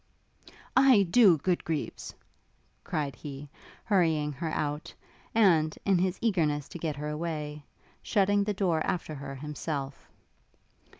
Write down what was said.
'Ay, do, good Greaves!' cried he, hurrying her out, and, in his eagerness to get her away, shutting the door after her himself.